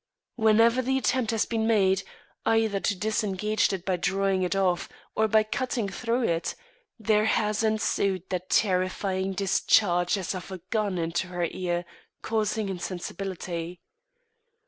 Whenever the attempt has been made, either to disengage it by drawing it off or by cutting through it, there has ensued that terrifying discharge as of a gun into her ear, causing insensibility.